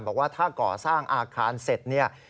บอกว่าถ้าก่อสร้างอาคารเสร็จเนี่ย